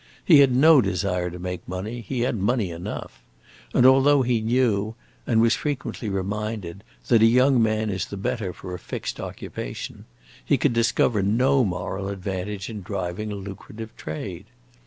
He had no desire to make money, he had money enough; and although he knew, and was frequently reminded, that a young man is the better for a fixed occupation, he could discover no moral advantage in driving a lucrative trade.